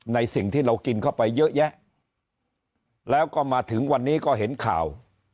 สิ่งที่เรากินเข้าไปเยอะแยะแล้วก็มาถึงวันนี้ก็เห็นข่าว